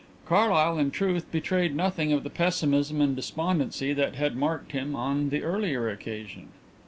Carlyle, in truth, betrayed nothing of the pessimism and despondency that had marked him on the earlier occasion.